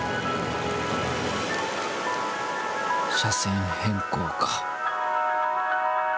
車線変更か。